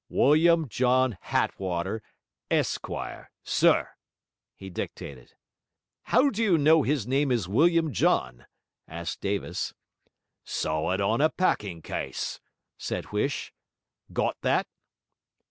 William John Hattwater, Esq., Sir': he dictated. 'How do you know his name is William John?' asked Davis. 'Saw it on a packing case,' said Huish. 'Got that?'